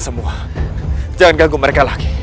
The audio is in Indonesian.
semua jangan ganggu mereka lagi